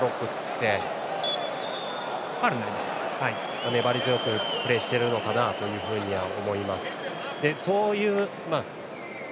そして、粘り強くプレーしているのかなというふうに思います。